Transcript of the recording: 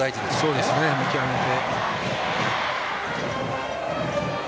そうですね、見極めて。